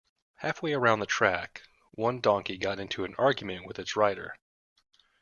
Halfway around the track one donkey got into an argument with its rider.